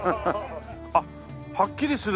あっはっきりするねえ。